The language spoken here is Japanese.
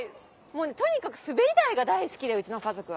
とにかく滑り台が大好きでうちの家族は。